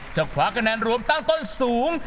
คว้าคะแนนรวมตั้งต้นสูง